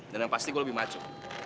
dan yang pasti gua lebih maco